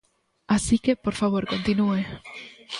Así que, por favor, continúe.